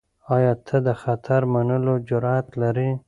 آیا ته د خطر منلو جرئت لرې؟